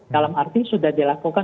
dalam arti sudah dilakukan